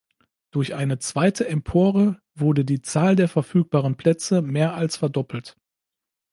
Durch eine zweite Empore wurde die Zahl der verfügbaren Plätze mehr als verdoppelt.